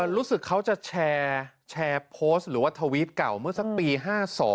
รู้สึกเขาจะแชร์โพสต์หรือว่าทวิตเก่าเมื่อสักปี๕๒